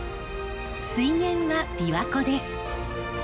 水源はびわ湖です。